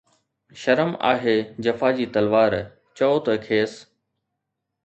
شرم آهي جفا جي تلوار، چؤ ته کيس